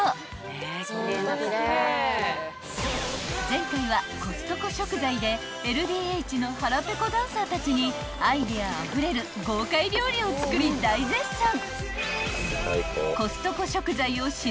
［前回はコストコ食材でＬＤＨの腹ぺこダンサーたちにアイデアあふれる豪快料理を作り大絶賛！］